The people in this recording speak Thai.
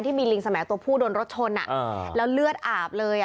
ลิงสมัยตัวผู้โดนรถชนแล้วเลือดอาบเลย